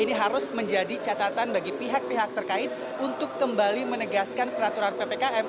ini harus menjadi catatan bagi pihak pihak terkait untuk kembali menegaskan peraturan ppkm